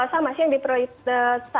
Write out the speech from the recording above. sama sih yang diprioritaskan